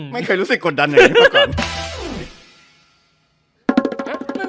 ไม่เคยรู้สึกกดดันไหนมาก่อน